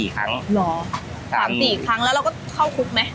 ๓๔ครั้งแล้วเราก็เข้าคุกไหม